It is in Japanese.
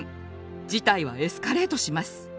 事態はエスカレートします。